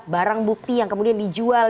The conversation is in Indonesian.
barang bukti yang kemudian dijual